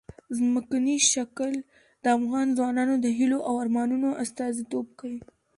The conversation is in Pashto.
ځمکنی شکل د افغان ځوانانو د هیلو او ارمانونو استازیتوب کوي.